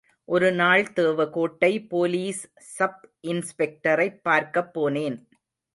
ஒருநாள் Devakottai police sub இன்ஸ்பெக்டரைப் பார்க்கப் போனேன்.